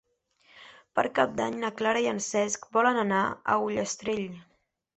Per Cap d'Any na Clara i en Cesc volen anar a Ullastrell.